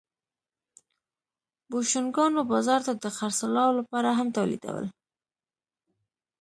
بوشونګانو بازار ته د خرڅلاو لپاره هم تولیدول